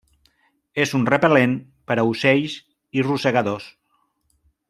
És un repel·lent per a ocells i rosegadors.